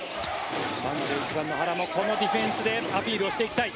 ３１番の原もこのディフェンスでアピールをしていきたい。